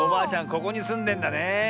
ここにすんでんだねえ。